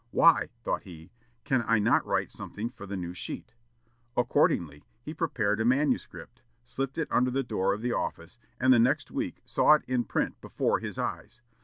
"Why," thought he, "can I not write something for the new sheet?" Accordingly, he prepared a manuscript, slipped it under the door of the office, and the next week saw it in print before his eyes.